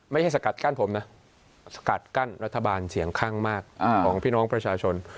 สกัดกั้นผมนะสกัดกั้นรัฐบาลเสียงข้างมากของพี่น้องประชาชน